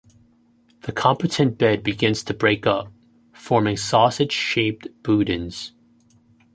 The competent bed begins to break up, forming sausage-shaped boudins.